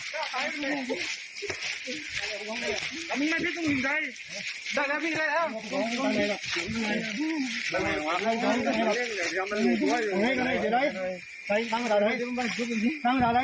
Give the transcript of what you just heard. ถ้าอยู่ไหนถ้าอยู่ไหนแม่งตรงมือถูกบ่งไว้เดี๋ยวที่ไม่โดด